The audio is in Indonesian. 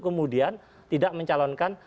kemudian tidak mencalonkan